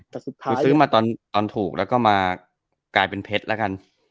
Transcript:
คือซื้อมาตอนถูกแล้วก็มากลายเป็นเพชรละกัน